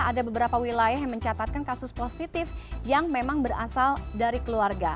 ada beberapa wilayah yang mencatatkan kasus positif yang memang berasal dari keluarga